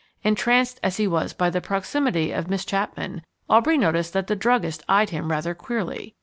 Entranced as he was by the proximity of Miss Chapman, Aubrey noticed that the druggist eyed him rather queerly.